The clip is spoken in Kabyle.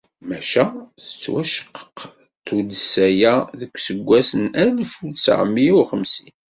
Maca tettwaceqqeq tuddsa-a deg useggas n alef u tesεemya u xemsin.